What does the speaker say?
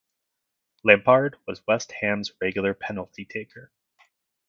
Lampard was West Ham's regular penalty taker.